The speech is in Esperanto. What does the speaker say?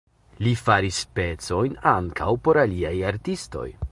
Li faris pecojn ankaŭ por aliaj artistoj.